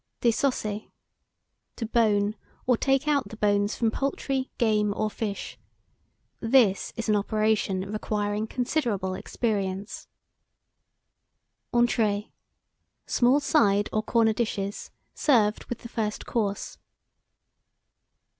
DÉSOSSER. To bone, or take out the bones from poultry, game, or fish. This is an operation requiring considerable experience. ENTRÉES. Small side or corner dishes, served with the first course.